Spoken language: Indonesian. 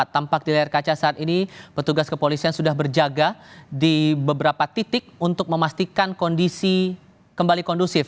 tampak di layar kaca saat ini petugas kepolisian sudah berjaga di beberapa titik untuk memastikan kondisi kembali kondusif